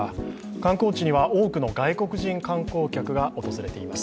観光地には多くの外国人観光客が訪れています。